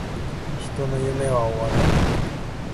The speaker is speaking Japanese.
人の夢は!!!終わらねェ!!!!